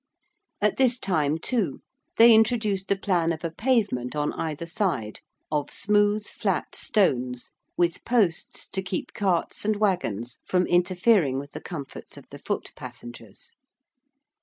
At this time, too, they introduced the plan of a pavement on either side of smooth flat stones with posts to keep carts and waggons from interfering with the comforts of the foot passengers.